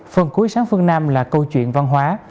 phần cuối sáng phương nam là câu chuyện văn hóa